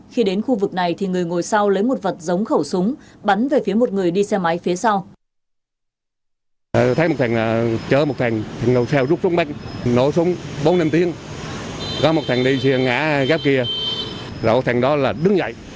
khi đến khu vực này thì người ngồi sau lấy một vật giống khẩu súng bắn về phía một người đi xe máy phía sau